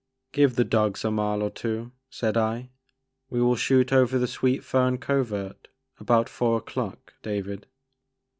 Give the dogs a mile or two," said I ;we will shoot over the Sweet Fern Covert about four o'clock, David."